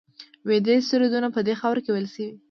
ویدي سرودونه په دې خاوره کې ویل شوي